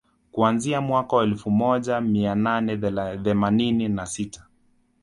Kuanzia mwaka wa elfu moja mia nane themanini na sita